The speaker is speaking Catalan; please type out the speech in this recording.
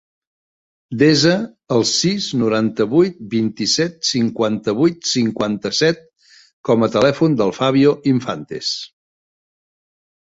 Desa el sis, noranta-vuit, vint-i-set, cinquanta-vuit, cinquanta-set com a telèfon del Fabio Infantes.